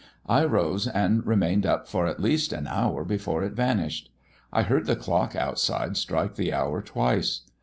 I rose and remained up for at least an hour before it vanished. I heard the clock outside strike the hour twice.